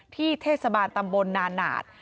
ที่เทศบาลตำบลนานาศ